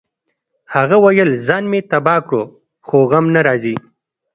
هغه ویل ځان مې تباه کړ خو غم نه راځي